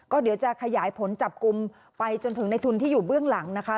ก็เดี๋ยวจะขยายผลจับกลุ่มไปจนถึงในทุนที่อยู่เบื้องหลังนะคะ